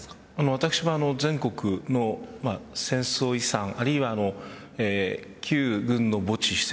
私も全国の戦争遺産あるいは旧軍の墓地施設